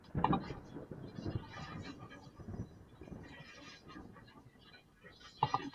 今嘉义县布袋镇。